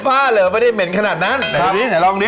ภาพ่าเหลือไม่ได้เหม็นขนาดนั้นไหนลองดิ